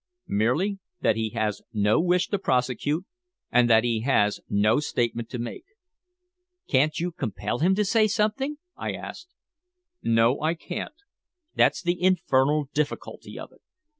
"Merely that he has no wish to prosecute, and that he has no statement to make." "Can't you compel him to say something?" I asked. "No, I can't. That's the infernal difficulty of it.